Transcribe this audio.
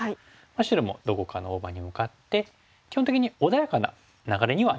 白もどこかの大場に向かって基本的に穏やかな流れにはなりますね。